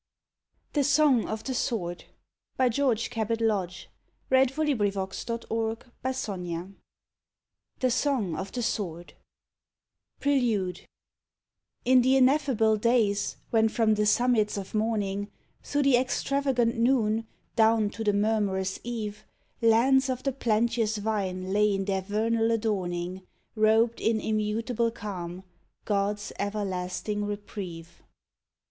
alling fast Hush ! tired child, weep nevermore again. THE SONG OF THE SWORD PRELUDE IN the ineffable days when from the summits of morning, Through the extravagant noon, down to the murmurous eve, Lands of the plenteous vine lay in their vernal adorning, Robed in immutable calm, God's everlasting reprieve.